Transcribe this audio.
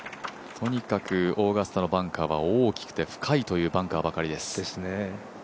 とにかく、オーガスタのバンカーは大きくて深いというバンカーばかりです。